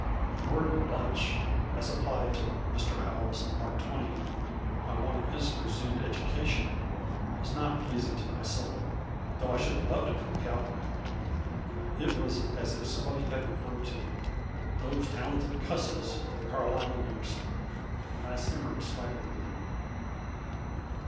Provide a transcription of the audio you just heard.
The word bunch, as applied to Mr. Howells and Mark Twain by one of his presumed education was not pleasing to my soul, though I should have loved it from a cowboy. It was as if somebody had referred to "those talented cusses, Carlyle and Emerson," and I simmered slightly within.